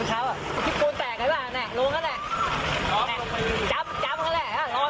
จับจับกันแหละรอดีละ